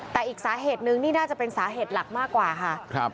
แต่อีกสาเหตุนึงนี่น่าจะเป็นสาเหตุหลักมากกว่าค่ะ